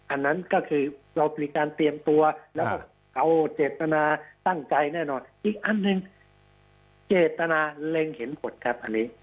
อันนั้นก็คือเรามีการเตรียมตัวแล้วก็เอาเจตนาตั้งใจแน่นอนอีกอันหนึ่งเจตนาเล็งเห็นผลครับอันนี้